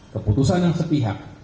keputusan yang setihak